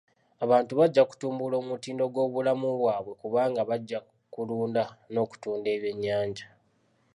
Abantu bajja kutumbula omutindo gw'obulamu bwabwe kubanga bajja kulunda n'okutunda ebyennyanja.